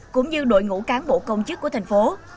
cũng như đội ngũ cán bộ công chức của thành phố